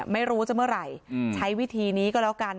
ไม่รู้จะเมื่อไหร่ใช้วิธีนี้ก็แล้วกัน